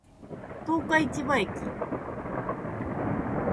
十日市場駅